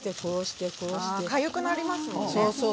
かゆくなりますもんね